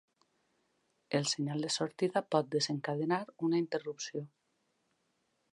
El senyal de sortida pot desencadenar una interrupció.